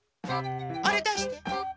あれだして！